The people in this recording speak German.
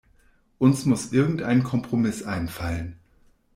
Uns muss irgendein Kompromiss einfallen.